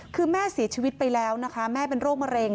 คือแม่เสียชีวิตไปแล้วนะคะแม่เป็นโรคมะเร็ง